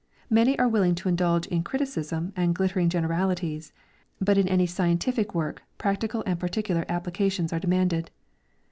Many are willing to indulge in criticism and glittering gener alities, but in any scientific work practical and jjarticular appli cations are demanded.